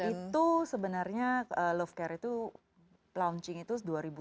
itu sebenarnya love care itu launching itu dua ribu dua puluh